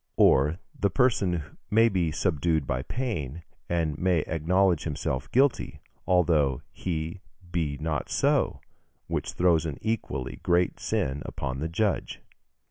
Or the person may be subdued by pain, and may acknowledge himself guilty, although he be not so, which throws an equally great sin upon the judge."